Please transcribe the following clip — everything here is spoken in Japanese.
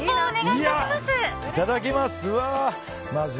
いただきます！